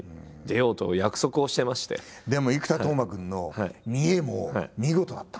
でも生田斗真君の見得も見事だったね。